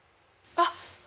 あっ！